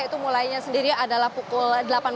itu mulainya sendiri adalah pukul delapan belas tiga puluh